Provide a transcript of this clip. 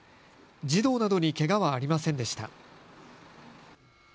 児童などにけがはありませんでした。